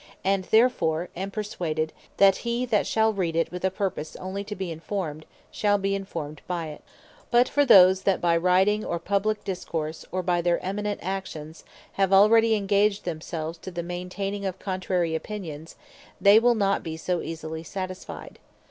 And therefore am perswaded, that he that shall read it with a purpose onely to be informed, shall be informed by it. But for those that by Writing, or Publique Discourse, or by their eminent actions, have already engaged themselves to the maintaining of contrary opinions, they will not bee so easily satisfied.